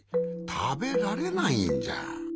たべられないんじゃ。